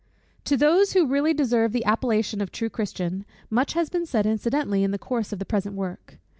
_ To those, who really deserve the appellation of true Christians, much has been said incidentally in the course of the present work.